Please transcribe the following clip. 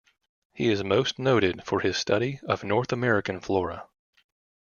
He is most noted for his study of North American flora.